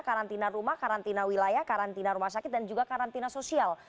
karantina rumah karantina wilayah karantina rumah sakit dan juga karantina sosial